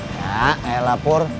ya elah pur